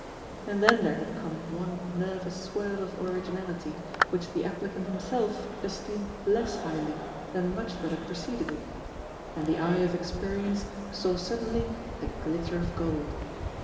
And then there had come one nervous swerve of originality, which the appli cant himself esteemed less highly than much that had preceded it, and the eye of experience saw suddenly the glitter of gold.